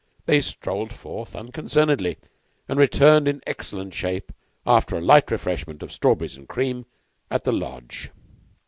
They strolled forth unconcernedly, and returned in excellent shape after a light refreshment of strawberries and cream at the Lodge.